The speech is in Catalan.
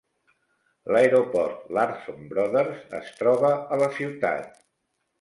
L'aeroport Larson Brothers es troba a la ciutat.